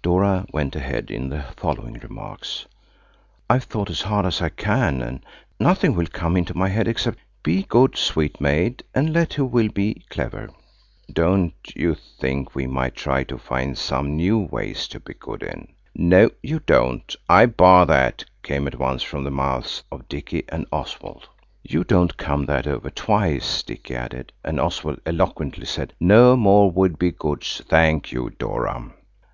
Dora went ahead in the following remarks: "I've thought as hard as I can, and nothing will come into my head except– 'Be good, sweet maid, and let who will be clever.' Don't you think we might try to find some new ways to be good in?" "No, you don't!" "I bar that!" came at once from the mouths of Dicky and Oswald. "You don't come that over us twice," Dicky added. And Oswald eloquently said, "No more Would be Goods, thank you, Dora."